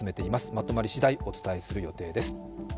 まとまり次第、お伝えする予定です。